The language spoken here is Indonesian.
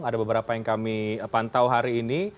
ada beberapa yang kami pantau hari ini